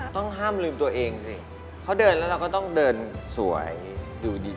ต้องห้ามลืมตัวเองสิเขาเดินแล้วเราก็ต้องเดินสวยดูดี